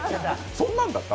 そんなんだった？